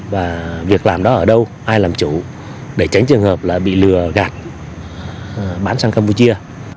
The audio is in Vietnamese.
và việc làm đó ở đâu ai làm chủ để tránh trường hợp là bị lừa gạt bán sang campuchia